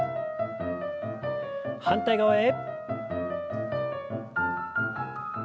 反対側へ。